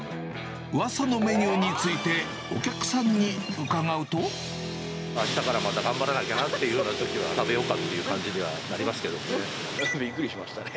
うわさのメニューについて、あしたからまた頑張らなきゃなというときには、食べようかっていう感じにはなりますけどね。